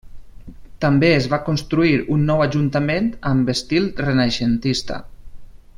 També es va construir un nou ajuntament, amb estil renaixentista.